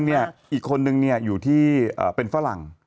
อีกคนนึงอยู่ที่เป็นฝรั่ง